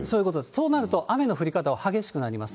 そうなると雨の降り方は激しくなります。